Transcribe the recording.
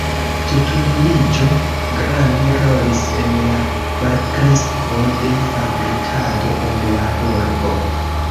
Tutmondiĝo grande rolis en la malkresko de fabrikado en la urbo.